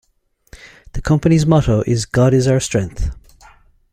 The Company's motto is "God Is Our Strength".